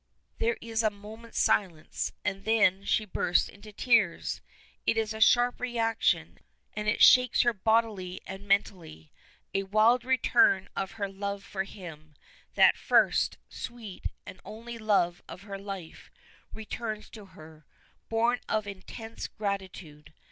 There is a moment's silence, and then she bursts into tears. It is a sharp reaction, and it shakes her bodily and mentally. A wild return of her love for him that first, sweet, and only love of her life, returns to her, born of intense gratitude.